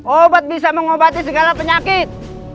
obat bisa mengobati segala penyakit